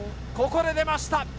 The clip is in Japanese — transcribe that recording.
ここで出ました。